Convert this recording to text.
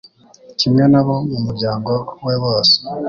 kimwe n'abo mu muryango we bose.